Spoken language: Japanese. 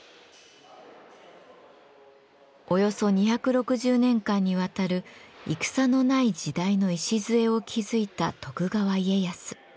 およそ２６０年間にわたる戦のない時代の礎を築いた徳川家康。